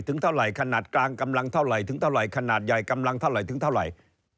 ถึงเท่าไหร่ขนาดกลางกำลังเท่าไหร่ถึงเท่าไหร่ขนาดใหญ่กำลังเท่าไหร่ถึงเท่าไหร่